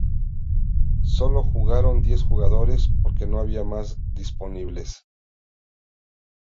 Sólo jugaron diez jugadores porque no había más disponibles.